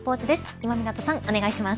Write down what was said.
今湊さん、お願いします。